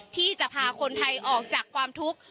ที่จะพาคนไทยออกจากความทุกข์